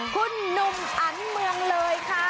คุณหนุ่มอันเมืองเลยค่ะ